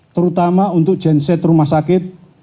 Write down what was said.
terutama untuk genset rumah sakit